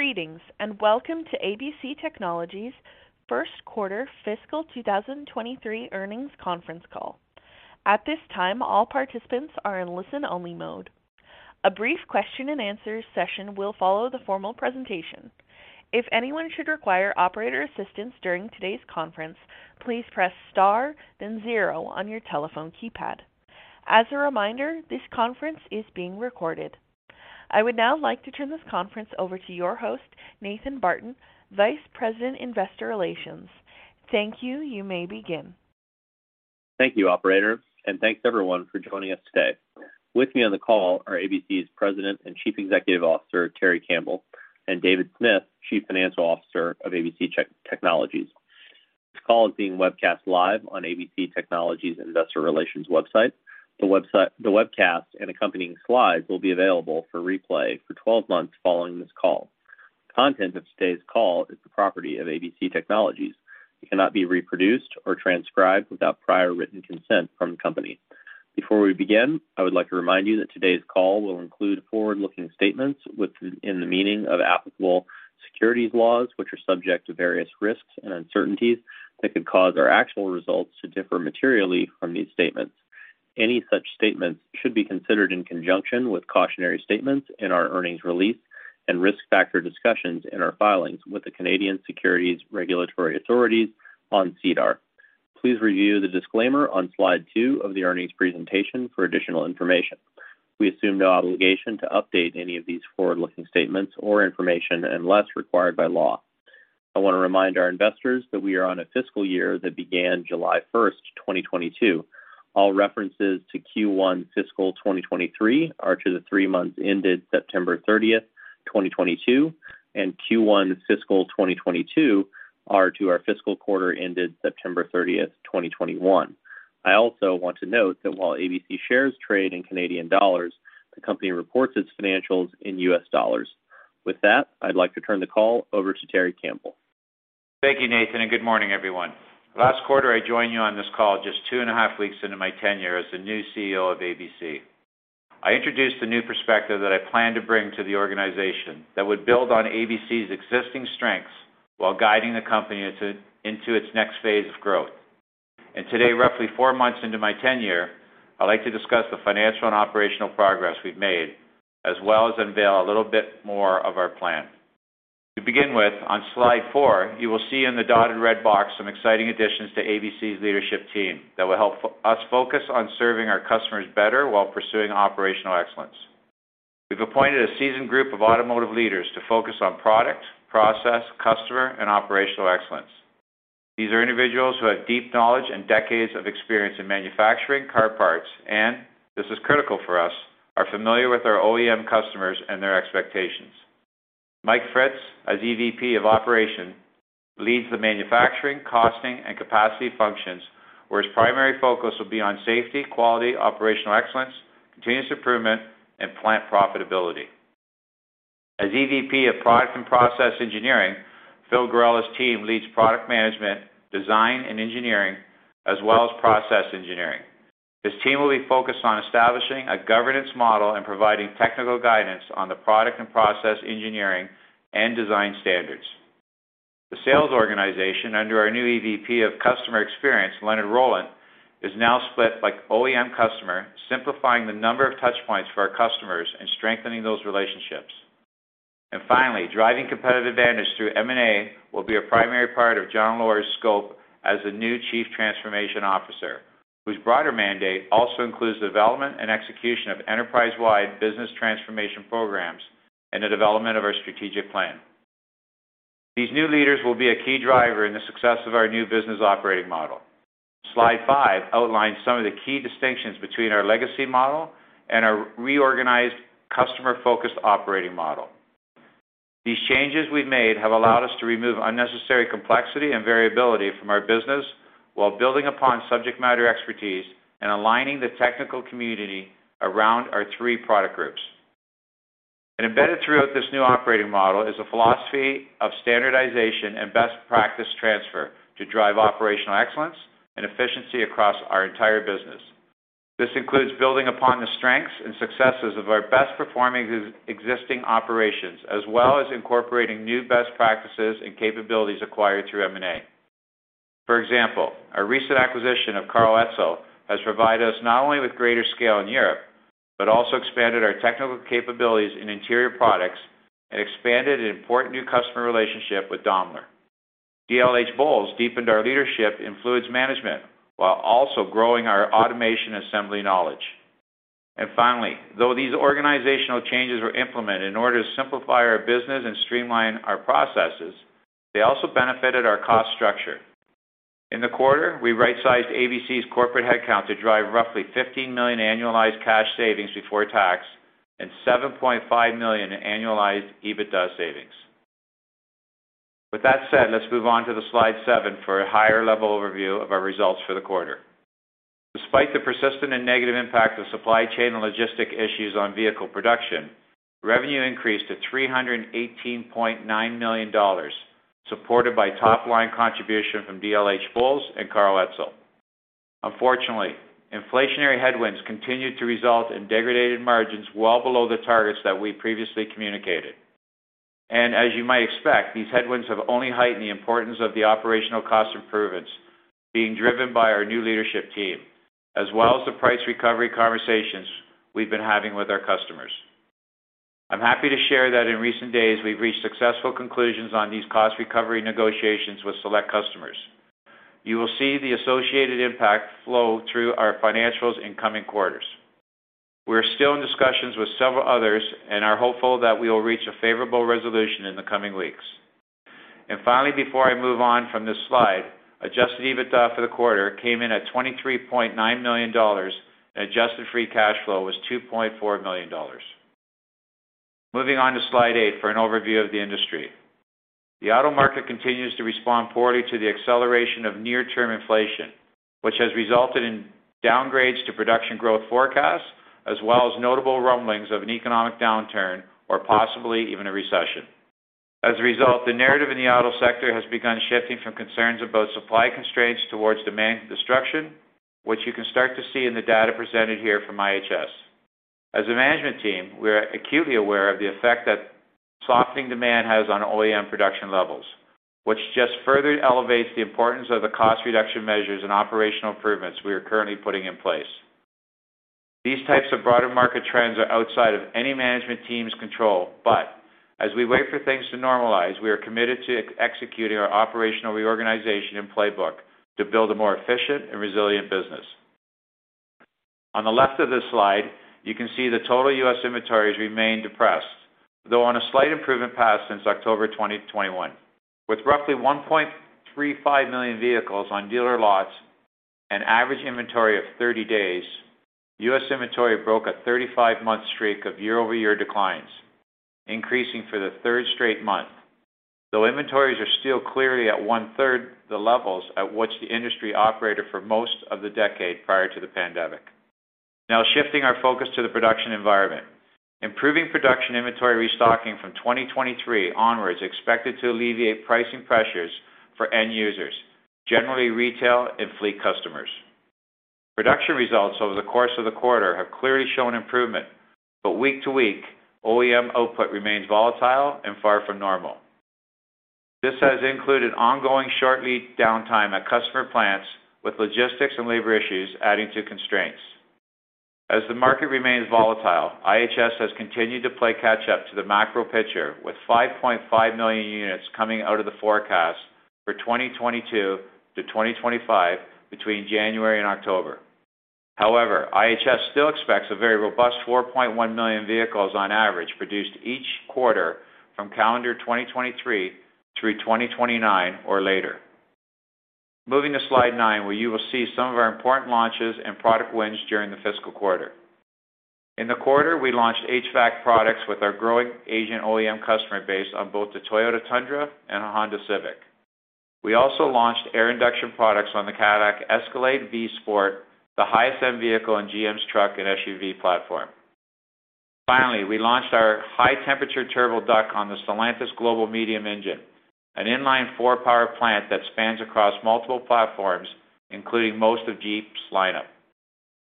Greetings, and welcome to ABC Technologies first quarter fiscal 2023 earnings conference call. At this time, all participants are in listen-only mode. A brief question and answer session will follow the formal presentation. If anyone should require operator assistance during today's conference, please press star then zero on your telephone keypad. As a reminder, this conference is being recorded. I would now like to turn this conference over to your host, Nathan Barton, Vice President, Investor Relations. Thank you. You may begin. Thank you, operator, and thanks everyone for joining us today. With me on the call are ABC's President and Chief Executive Officer, Terry Campbell, and David Smith, Chief Financial Officer of ABC Technologies. This call is being webcast live on ABC Technologies Investor Relations website. The webcast and accompanying slides will be available for replay for 12 months following this call. Content of today's call is the property of ABC Technologies. It cannot be reproduced or transcribed without prior written consent from the company. Before we begin, I would like to remind you that today's call will include forward-looking statements within the meaning of applicable securities laws, which are subject to various risks and uncertainties that could cause our actual results to differ materially from these statements. Any such statements should be considered in conjunction with cautionary statements in our earnings release and risk factor discussions in our filings with the Canadian Securities Regulatory Authorities on SEDAR. Please review the disclaimer on slide two of the earnings presentation for additional information. We assume no obligation to update any of these forward-looking statements or information unless required by law. I wanna remind our investors that we are on a fiscal year that began July 1st, 2022. All references to Q1 fiscal 2023 are to the three months ended September 30th, 2022, and Q1 fiscal 2022 are to our fiscal quarter ended September 30, 2021. I also want to note that while ABC shares trade in Canadian dollars, the company reports its financials in U.S. dollars. With that, I'd like to turn the call over to Terry Campbell. Thank you, Nathan, and good morning, everyone. Last quarter, I joined you on this call just 2.5 weeks into my tenure as the new CEO of ABC. I introduced a new perspective that I plan to bring to the organization that would build on ABC's existing strengths while guiding the company into its next phase of growth. Today, roughly four months into my tenure, I'd like to discuss the financial and operational progress we've made, as well as unveil a little bit more of our plan. To begin with, on slide four, you will see in the dotted red box some exciting additions to ABC's leadership team that will help us focus on serving our customers better while pursuing operational excellence. We've appointed a seasoned group of automotive leaders to focus on product, process, customer, and operational excellence. These are individuals who have deep knowledge and decades of experience in manufacturing car parts, and this is critical for us, are familiar with our OEM customers and their expectations. Mike Fritts, as EVP of Operations, leads the manufacturing, costing, and capacity functions, where his primary focus will be on safety, quality, operational excellence, continuous improvement, and plant profitability. As EVP of Product and Process Engineering, Phil Grella's team leads product management, design and engineering, as well as process engineering. This team will be focused on establishing a governance model and providing technical guidance on the product and process engineering and design standards. The sales organization under our new EVP of Customer Experience, Leonard Roelant, is now split by OEM customer, simplifying the number of touchpoints for our customers and strengthening those relationships. Finally, driving competitive advantage through M&A will be a primary part of John Loehr's scope as the new Chief Transformation Officer, whose broader mandate also includes development and execution of enterprise-wide business transformation programs and the development of our strategic plan. These new leaders will be a key driver in the success of our new business operating model. Slide five outlines some of the key distinctions between our legacy model and our reorganized customer-focused operating model. These changes we've made have allowed us to remove unnecessary complexity and variability from our business while building upon subject matter expertise and aligning the technical community around our three product groups. Embedded throughout this new operating model is a philosophy of standardization and best practice transfer to drive operational excellence and efficiency across our entire business. This includes building upon the strengths and successes of our best performing existing operations, as well as incorporating new best practices and capabilities acquired through M&A. For example, our recent acquisition of Karl Etzel has provided us not only with greater scale in Europe, but also expanded our technical capabilities in interior products and expanded an important new customer relationship with Daimler. dlhBOWLES deepened our leadership in fluids management while also growing our automation assembly knowledge. Finally, though these organizational changes were implemented in order to simplify our business and streamline our processes, they also benefited our cost structure. In the quarter, we right-sized ABC's corporate headcount to drive roughly $15 million annualized cash savings before tax and $7.5 million annualized EBITDA savings. With that said, let's move on to the slide seven for a higher-level overview of our results for the quarter. Despite the persistent and negative impact of supply chain and logistic issues on vehicle production, revenue increased to $318.9 million, supported by top-line contribution from dlhBOWLES and Karl Etzel. Unfortunately, inflationary headwinds continued to result in degraded margins well below the targets that we previously communicated. As you might expect, these headwinds have only heightened the importance of the operational cost improvements being driven by our new leadership team, as well as the price recovery conversations we've been having with our customers. I'm happy to share that in recent days we've reached successful conclusions on these cost recovery negotiations with select customers. You will see the associated impact flow through our financials in coming quarters. We're still in discussions with several others and are hopeful that we will reach a favorable resolution in the coming weeks. Finally, before I move on from this slide, adjusted EBITDA for the quarter came in at $23.9 million and adjusted free cash flow was $2.4 million. Moving on to slide eight for an overview of the industry. The auto market continues to respond poorly to the acceleration of near-term inflation, which has resulted in downgrades to production growth forecasts, as well as notable rumblings of an economic downturn or possibly even a recession. As a result, the narrative in the auto sector has begun shifting from concerns about supply constraints towards demand destruction, which you can start to see in the data presented here from IHS. As a management team, we are acutely aware of the effect that softening demand has on OEM production levels, which just further elevates the importance of the cost reduction measures and operational improvements we are currently putting in place. These types of broader market trends are outside of any management team's control. As we wait for things to normalize, we are committed to executing our operational reorganization and playbook to build a more efficient and resilient business. On the left of this slide, you can see the total U.S. inventories remain depressed, though on a slight improvement path since October 2021. With roughly 1.35 million vehicles on dealer lots, an average inventory of 30 days, U.S. inventory broke a 35-month streak of year-over-year declines, increasing for the third straight month. Though inventories are still clearly at 1/3 the levels at which the industry operated for most of the decade prior to the pandemic. Now shifting our focus to the production environment. Improving production inventory restocking from 2023 onwards is expected to alleviate pricing pressures for end users, generally retail and fleet customers. Production results over the course of the quarter have clearly shown improvement, but week to week, OEM output remains volatile and far from normal. This has included ongoing short lead downtime at customer plants with logistics and labor issues adding to constraints. As the market remains volatile, IHS has continued to play catch up to the macro picture with 5.5 million units coming out of the forecast for 2022 to 2025 between January and October. However, IHS still expects a very robust 4.1 million vehicles on average produced each quarter from calendar 2023 through 2029 or later. Moving to slide nine, where you will see some of our important launches and product wins during the fiscal quarter. In the quarter, we launched HVAC products with our growing Asian OEM customer base on both the Toyota Tundra and the Honda Civic. We also launched air induction products on the Cadillac Escalade V-Series, the high-end vehicle in GM's truck and SUV platform. Finally, we launched our high temperature turbo duct on the STLA Medium, an inline four power plant that spans across multiple platforms, including most of Jeep's lineup.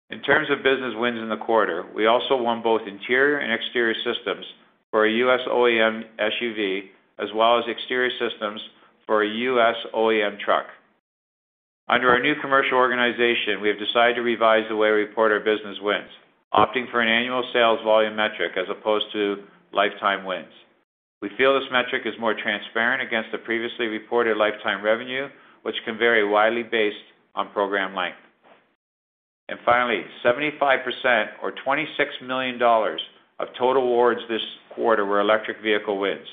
In terms of business wins in the quarter, we also won both interior and exterior systems for a U.S. OEM SUV, as well as exterior systems for a U.S. OEM truck. Under our new commercial organization, we have decided to revise the way we report our business wins, opting for an annual sales volume metric as opposed to lifetime wins. We feel this metric is more transparent against the previously reported lifetime revenue, which can vary widely based on program length. Finally, 75% or $26 million of total awards this quarter were electric vehicle wins,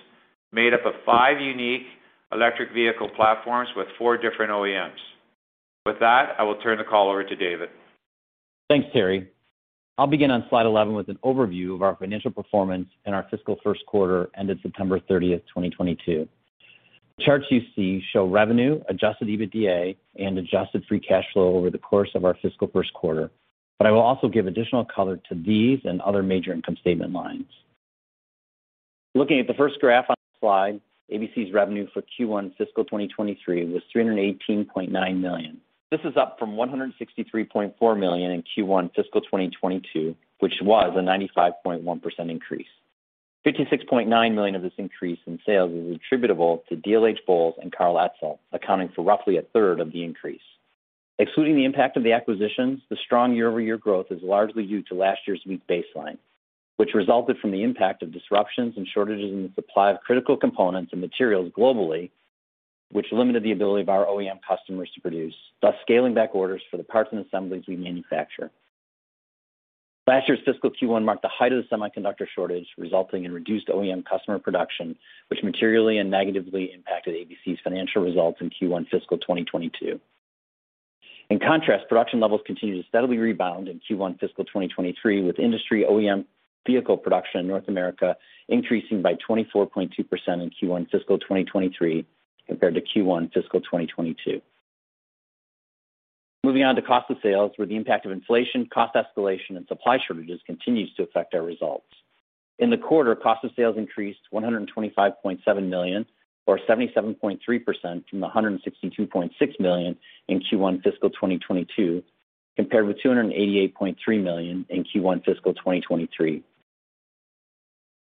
made up of five unique electric vehicle platforms with four different OEMs. With that, I will turn the call over to David. Thanks, Terry. I'll begin on slide 11 with an overview of our financial performance in our fiscal first quarter ended September 30th, 2022. The charts you see show revenue, adjusted EBITDA, and adjusted free cash flow over the course of our fiscal first quarter. I will also give additional color to these and other major income statement lines. Looking at the first graph on the slide, ABC's revenue for Q1 fiscal 2023 was $318.9 million. This is up from $163.4 million in Q1 fiscal 2022, which was a 95.1% increase. $56.9 million of this increase in sales is attributable to dlhBOWLES and Karl Etzel, accounting for roughly 1/3 of the increase. Excluding the impact of the acquisitions, the strong year-over-year growth is largely due to last year's weak baseline, which resulted from the impact of disruptions and shortages in the supply of critical components and materials globally, which limited the ability of our OEM customers to produce, thus scaling back orders for the parts and assemblies we manufacture. Last year's fiscal Q1 marked the height of the semiconductor shortage, resulting in reduced OEM customer production, which materially and negatively impacted ABC's financial results in Q1 fiscal 2022. In contrast, production levels continued to steadily rebound in Q1 fiscal 2023, with industry OEM vehicle production in North America increasing by 24.2% in Q1 fiscal 2023 compared to Q1 fiscal 2022. Moving on to cost of sales, where the impact of inflation, cost escalation, and supply shortages continues to affect our results. In the quarter, cost of sales increased $125.7 million or 77.3% from $162.6 million in Q1 fiscal 2022, compared with $288.3 million in Q1 fiscal 2023.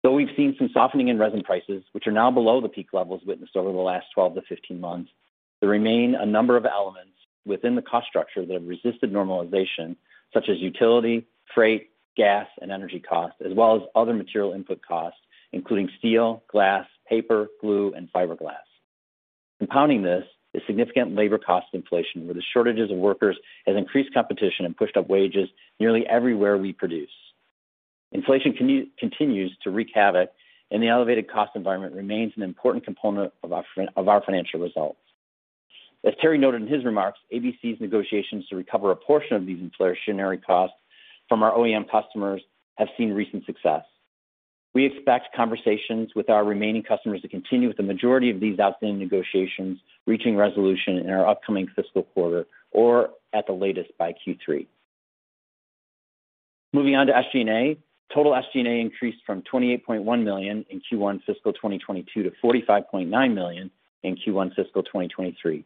Though we've seen some softening in resin prices, which are now below the peak levels witnessed over the last 12-15 months, there remain a number of elements within the cost structure that have resisted normalization, such as utility, freight, gas, and energy costs, as well as other material input costs, including steel, glass, paper, glue, and fiberglass. Compounding this is significant labor cost inflation, where the shortages of workers has increased competition and pushed up wages nearly everywhere we produce. Inflation continues to wreak havoc, and the elevated cost environment remains an important component of our financial results. As Terry noted in his remarks, ABC's negotiations to recover a portion of these inflationary costs from our OEM customers have seen recent success. We expect conversations with our remaining customers to continue, with the majority of these outstanding negotiations reaching resolution in our upcoming fiscal quarter or, at the latest, by Q3. Moving on to SG&A. Total SG&A increased from $28.1 million in Q1 fiscal 2022 to $45.9 million in Q1 fiscal 2023.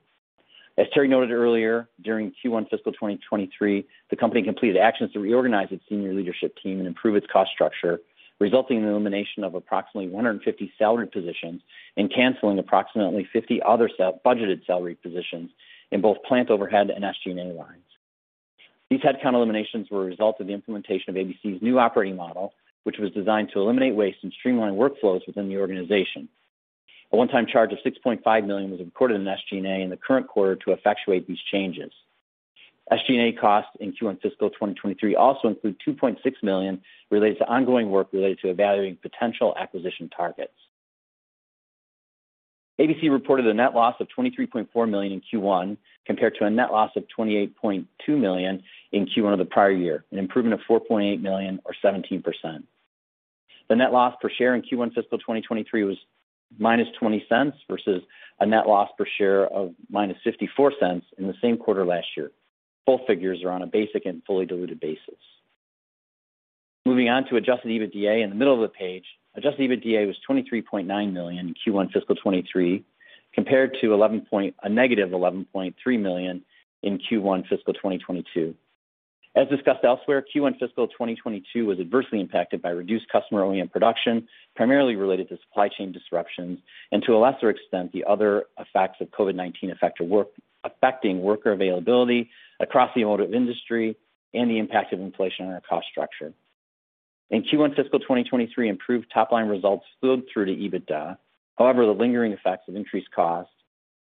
As Terry noted earlier, during Q1 fiscal 2023, the company completed actions to reorganize its senior leadership team and improve its cost structure, resulting in the elimination of approximately 150 salaried positions and canceling approximately 50 other budgeted salaried positions in both plant overhead and SG&A lines. These headcount eliminations were a result of the implementation of ABC's new operating model, which was designed to eliminate waste and streamline workflows within the organization. A one-time charge of $6.5 million was recorded in SG&A in the current quarter to effectuate these changes. SG&A costs in Q1 fiscal 2023 also include $2.6 million related to ongoing work related to evaluating potential acquisition targets. ABC reported a net loss of $23.4 million in Q1, compared to a net loss of $28.2 million in Q1 of the prior year, an improvement of $4.8 million or 17%. The net loss per share in Q1 fiscal 2023 was -$0.20 versus a net loss per share of -$0.54 in the same quarter last year. Both figures are on a basic and fully diluted basis. Moving on to adjusted EBITDA in the middle of the page. Adjusted EBITDA was $23.9 million in Q1 fiscal 2023, compared to -$11.3 million in Q1 fiscal 2022. As discussed elsewhere, Q1 fiscal 2022 was adversely impacted by reduced customer OEM production, primarily related to supply chain disruptions, and to a lesser extent, the other effects of COVID-19 affecting worker availability across the automotive industry and the impact of inflation on our cost structure. In Q1 fiscal 2023, improved top-line results flowed through to EBITDA. However, the lingering effects of increased costs,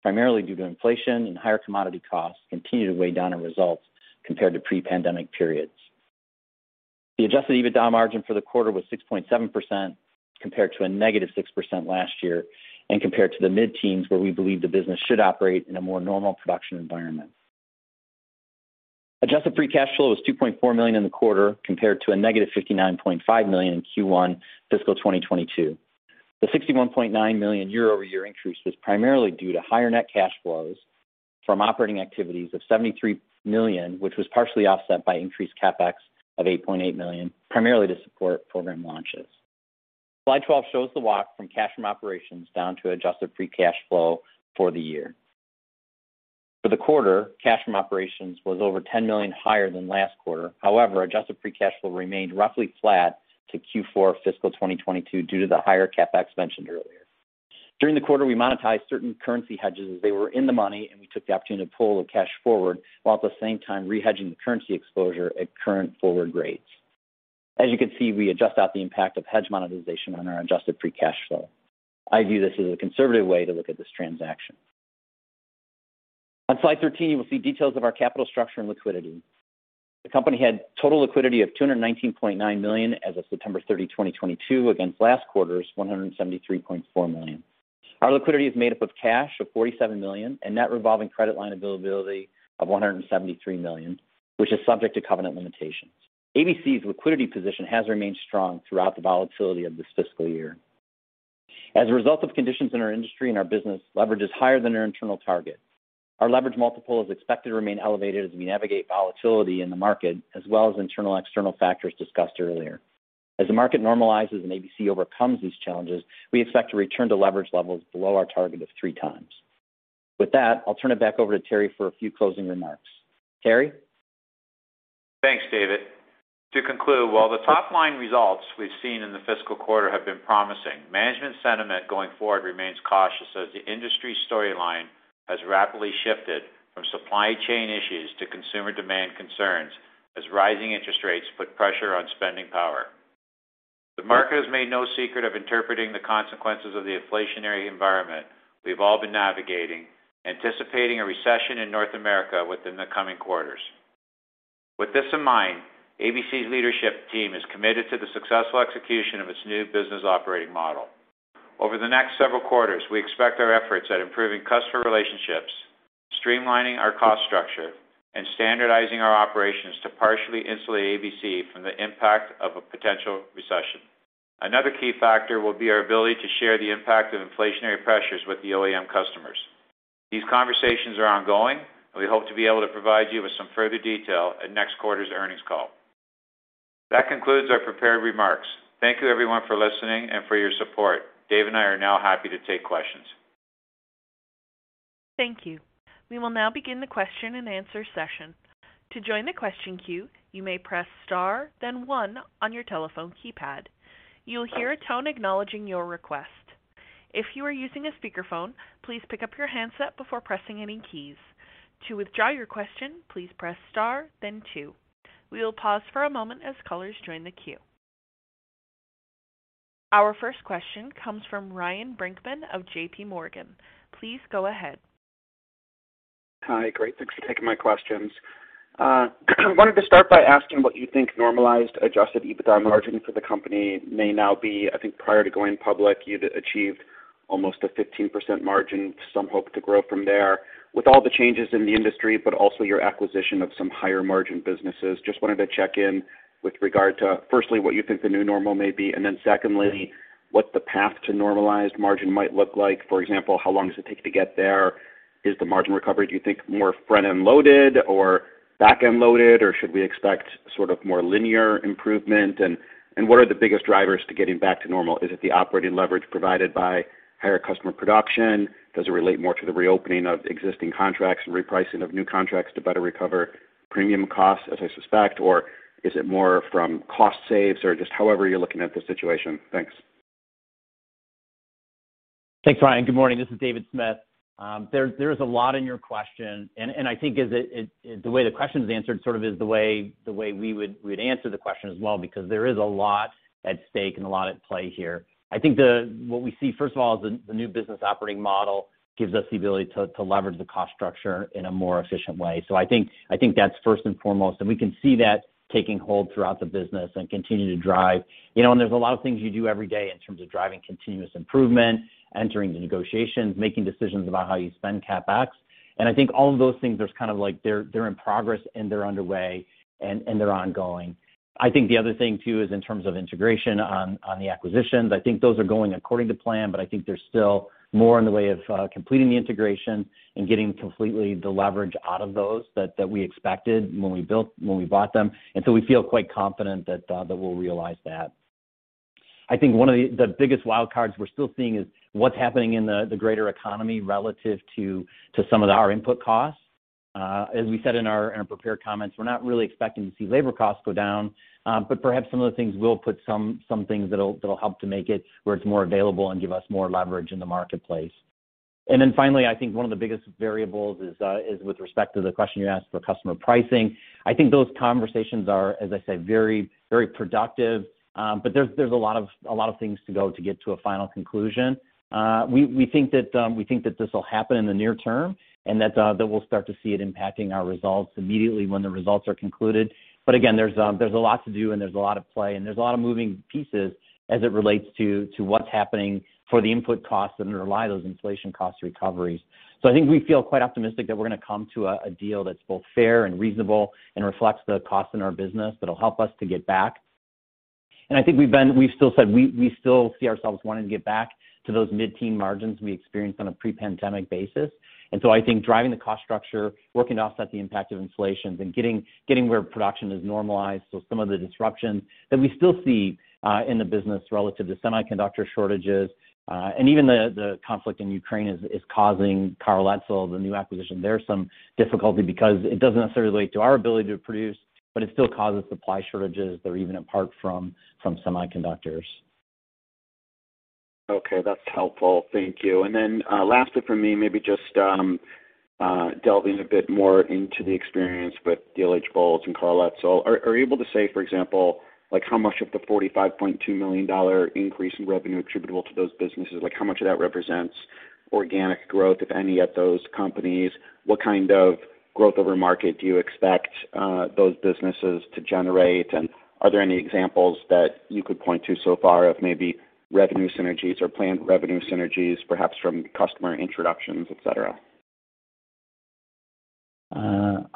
primarily due to inflation and higher commodity costs, continued to weigh down our results compared to pre-pandemic periods. The adjusted EBITDA margin for the quarter was 6.7% compared to a -6% last year and compared to the mid-teens, where we believe the business should operate in a more normal production environment. Adjusted free cash flow was $2.4 million in the quarter compared to a -$59.5 million in Q1 fiscal 2022. The $61.9 million year-over-year increase was primarily due to higher net cash flows from operating activities of $73 million, which was partially offset by increased CapEx of $8.8 million, primarily to support program launches. Slide 12 shows the walk from cash from operations down to adjusted free cash flow for the year. For the quarter, cash from operations was over $10 million higher than last quarter. However, adjusted free cash flow remained roughly flat to Q4 fiscal 2022 due to the higher CapEx mentioned earlier. During the quarter, we monetized certain currency hedges as they were in the money, and we took the opportunity to pull the cash forward while at the same time re-hedging the currency exposure at current forward rates. As you can see, we adjust out the impact of hedge monetization on our adjusted free cash flow. I view this as a conservative way to look at this transaction. On slide 13, you will see details of our capital structure and liquidity. The company had total liquidity of $219.9 million as of September 30, 2022, against last quarter's $173.4 million. Our liquidity is made up of cash of $47 million and net revolving credit line availability of $173 million, which is subject to covenant limitations. ABC's liquidity position has remained strong throughout the volatility of this fiscal year. As a result of conditions in our industry and our business, leverage is higher than our internal target. Our leverage multiple is expected to remain elevated as we navigate volatility in the market as well as internal/external factors discussed earlier. As the market normalizes and ABC overcomes these challenges, we expect to return to leverage levels below our target of 3x. With that, I'll turn it back over to Terry for a few closing remarks. Terry? Thanks, David. To conclude, while the top-line results we've seen in the fiscal quarter have been promising, management sentiment going forward remains cautious as the industry storyline has rapidly shifted from supply chain issues to consumer demand concerns as rising interest rates put pressure on spending power. The market has made no secret of interpreting the consequences of the inflationary environment we've all been navigating, anticipating a recession in North America within the coming quarters. With this in mind, ABC's leadership team is committed to the successful execution of its new business operating model. Over the next several quarters, we expect our efforts at improving customer relationships, streamlining our cost structure, and standardizing our operations to partially insulate ABC from the impact of a potential recession. Another key factor will be our ability to share the impact of inflationary pressures with the OEM customers. These conversations are ongoing, and we hope to be able to provide you with some further detail at next quarter's earnings call. That concludes our prepared remarks. Thank you everyone for listening and for your support. David and I are now happy to take questions. Thank you. We will now begin the question and answer session. To join the question queue, you may press star, then one on your telephone keypad. You will hear a tone acknowledging your request. If you are using a speakerphone, please pick up your handset before pressing any keys. To withdraw your question, please press star then two. We will pause for a moment as callers join the queue. Our first question comes from Ryan Brinkman of JP Morgan. Please go ahead. Hi. Great. Thanks for taking my questions. I wanted to start by asking what you think normalized adjusted EBITDA margin for the company may now be. I think prior to going public, you'd achieved almost a 15% margin. Some hope to grow from there. With all the changes in the industry, but also your acquisition of some higher margin businesses, just wanted to check in with regard to, firstly, what you think the new normal may be, and then secondly, what the path to normalized margin might look like. For example, how long does it take to get there? Is the margin recovery, do you think, more front-end loaded or back-end loaded, or should we expect sort of more linear improvement? What are the biggest drivers to getting back to normal? Is it the operating leverage provided by higher customer production? Does it relate more to the reopening of existing contracts and repricing of new contracts to better recover premium costs, as I suspect, or is it more from cost saves or just however you're looking at the situation? Thanks. Thanks, Ryan. Good morning. This is David Smith. There is a lot in your question, and I think the way the question is answered sort of is the way we would answer the question as well, because there is a lot at stake and a lot at play here. I think what we see, first of all, is the new business operating model gives us the ability to leverage the cost structure in a more efficient way. I think that's first and foremost, and we can see that taking hold throughout the business and continue to drive. You know, and there's a lot of things you do every day in terms of driving continuous improvement, entering the negotiations, making decisions about how you spend CapEx. I think all of those things, there's kind of like they're in progress and they're underway and they're ongoing. I think the other thing too is in terms of integration on the acquisitions. I think those are going according to plan, but I think there's still more in the way of completing the integration and getting completely the leverage out of those that we expected when we bought them. We feel quite confident that we'll realize that. I think one of the biggest wild cards we're still seeing is what's happening in the greater economy relative to some of our input costs. As we said in our prepared comments, we're not really expecting to see labor costs go down, but perhaps some of the things will put some things that'll help to make it where it's more available and give us more leverage in the marketplace. Finally, I think one of the biggest variables is with respect to the question you asked for customer pricing. I think those conversations are, as I said, very productive. There's a lot of things to go to get to a final conclusion. We think that this will happen in the near term and that we'll start to see it impacting our results immediately when the results are concluded. Again, there's a lot to do and there's a lot at play and there's a lot of moving pieces as it relates to what's happening for the input costs and the recovery of those inflation cost recoveries. I think we feel quite optimistic that we're gonna come to a deal that's both fair and reasonable and reflects the cost in our business that'll help us to get back. I think we've still said we still see ourselves wanting to get back to those mid-teen margins we experienced on a pre-pandemic basis. I think driving the cost structure, working to offset the impact of inflation, then getting where production is normalized. Some of the disruptions that we still see in the business relative to semiconductor shortages, and even the conflict in Ukraine is causing Karl Etzel, the new acquisition. There's some difficulty because it doesn't necessarily relate to our ability to produce, but it still causes supply shortages that are even apart from semiconductors. Okay. That's helpful. Thank you. Lastly from me, maybe just delving a bit more into the experience with dlhBOWLES, Inc. and Karl Etzel. Are you able to say, for example, like how much of the $45.2 million increase in revenue attributable to those businesses? Like how much of that represents organic growth, if any, of those companies? What kind of growth over market do you expect those businesses to generate? Are there any examples that you could point to so far of maybe revenue synergies or planned revenue synergies, perhaps from customer introductions, et cetera?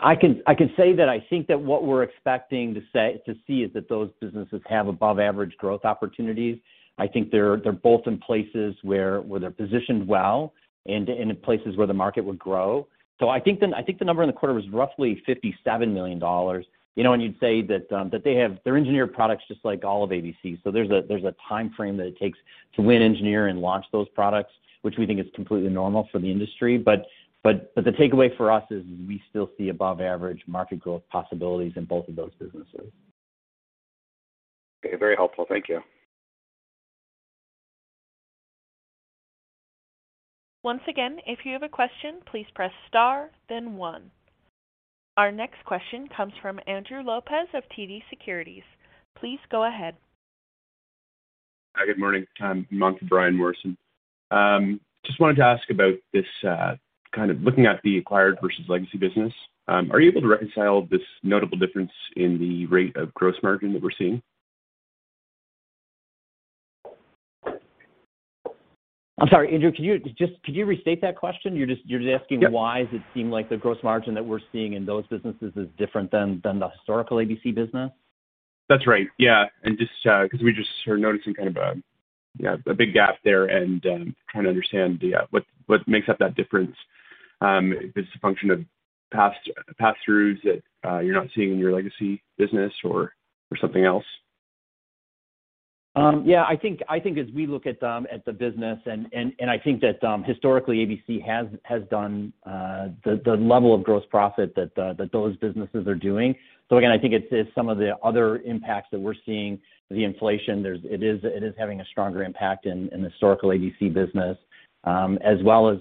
I can say that I think that what we're expecting to see is that those businesses have above average growth opportunities. I think they're both in places where they're positioned well and in places where the market would grow. I think the number in the quarter was roughly $57 million. You know, you'd say that they have, they're engineered products just like all of ABC. There's a timeframe that it takes to win engineer and launch those products, which we think is completely normal for the industry. The takeaway for us is we still see above average market growth possibilities in both of those businesses. Okay. Very helpful. Thank you. Once again, if you have a question, please press Star then one. Our next question comes from Andrew Lopez of TD Securities. Please go ahead. Hi, good morning. I'm on for Brian Morrison. Just wanted to ask about this, kind of looking at the acquired versus legacy business, are you able to reconcile this notable difference in the rate of gross margin that we're seeing? I'm sorry, Andrew, can you restate that question? You're just asking why does it seem like the gross margin that we're seeing in those businesses is different than the historical ABC business? That's right. Yeah. Just 'cause we just are noticing kind of a, you know, a big gap there and trying to understand the what makes up that difference. If it's a function of past pass-throughs that you're not seeing in your legacy business or something else. I think as we look at the business and I think that historically ABC has done the level of gross profit that those businesses are doing. So again, I think it's some of the other impacts that we're seeing, the inflation it is having a stronger impact in historical ABC business as well as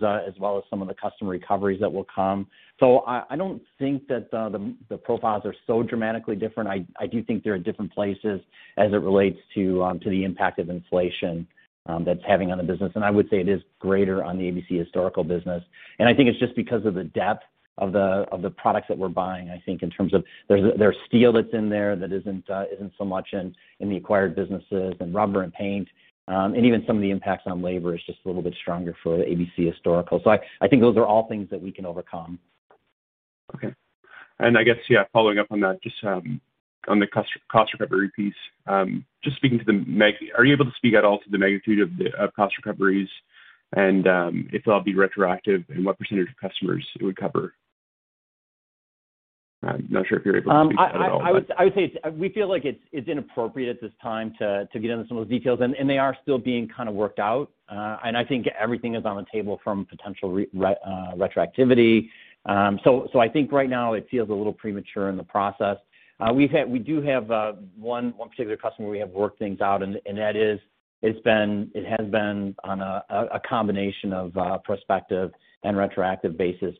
some of the custom recoveries that will come. So I don't think that the profiles are so dramatically different. I do think they're in different places as it relates to the impact of inflation that it's having on the business. I would say it is greater on the ABC historical business. I think it's just because of the depth of the products that we're buying. I think in terms of there's steel that's in there that isn't so much in the acquired businesses and rubber and paint. Even some of the impacts on labor is just a little bit stronger for ABC historical. I think those are all things that we can overcome. Okay. I guess, yeah, following up on that, just on the cost recovery piece, just speaking to the magnitude. Are you able to speak at all to the magnitude of the cost recoveries and if they'll be retroactive and what percentage of customers it would cover? I'm not sure if you're able to speak to that at all. We feel like it's inappropriate at this time to get into some of the details and they are still being kind of worked out. I think everything is on the table from potential retroactivity. I think right now it feels a little premature in the process. We do have one particular customer we have worked things out, and that is, it has been on a combination of prospective and retroactive basis.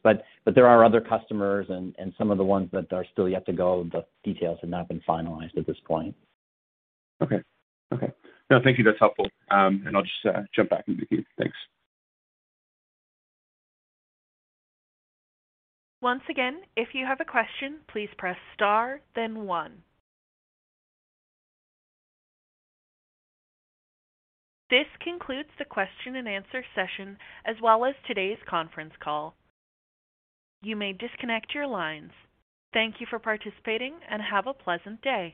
There are other customers and some of the ones that are still yet to go, the details have not been finalized at this point. Okay. No, thank you. That's helpful. I'll just jump back into queue. Thanks. Once again, if you have a question, please press star then one. This concludes the question and answer session as well as today's conference call. You may disconnect your lines. Thank you for participating and have a pleasant day.